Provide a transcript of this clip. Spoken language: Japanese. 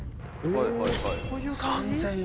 「３０００円」